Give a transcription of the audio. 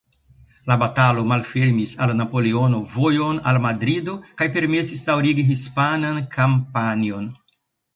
La batalo malfermis al Napoleono vojon al Madrido kaj permesis daŭrigi hispanan kampanjon.